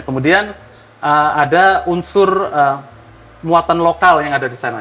kemudian ada unsur muatan lokal yang ada di sana